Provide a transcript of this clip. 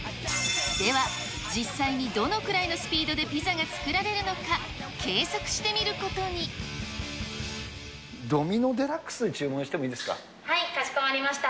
では、実際にどのくらいのスピードでピザが作られるのか、計測してみるドミノ・デラックス注文してはい、かしこまりました。